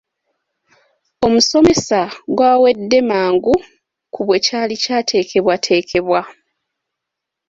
Omusomesa gwawedde mangu ku bwe kyali kyateekebwateekebwa.